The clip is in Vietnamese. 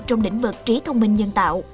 trong đỉnh vực trí thông minh nhân tạo